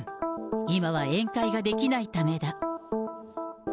今は宴会ができないためだ。